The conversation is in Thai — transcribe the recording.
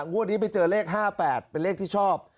งวดนี้ไปเจอเลข๕๘เป็นเลขที่ชอบ